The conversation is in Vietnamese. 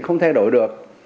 không thay đổi được